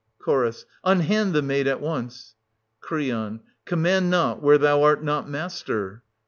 Cll. Unhand the maid at once ! S40 Cr. Command not where thou art not master.